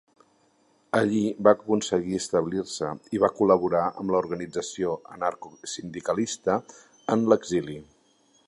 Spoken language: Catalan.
Allí va aconseguir establir-se i va col·laborar amb l'organització anarcosindicalista en l'exili.